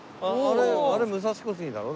あれ武蔵小杉だろ？